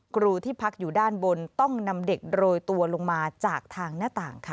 ครูที่พักอยู่ด้านบนต้องนำเด็กโรยตัวลงมาจากทางหน้าต่างค่ะ